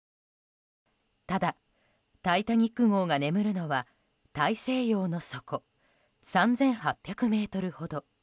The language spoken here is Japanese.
ただ、「タイタニック号」が眠るのは大西洋の底３８００ｍほど。